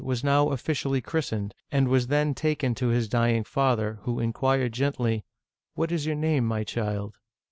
(1610 1643) 315 was now officially christened, and was then taken to his dying father, who inquired gently, " What is your name, my child?"